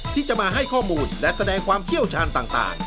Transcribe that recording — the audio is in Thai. ที่จะมาให้ข้อมูลและแสดงความเชี่ยวชาญต่าง